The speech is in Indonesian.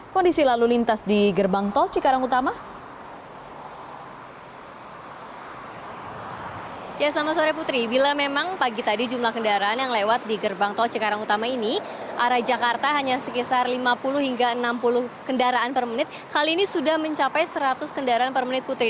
kendaraan per menit kali ini sudah mencapai seratus kendaraan per menit putri